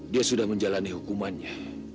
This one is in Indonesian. dia sudah menjalani hukumannya